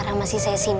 lo panggil dia samen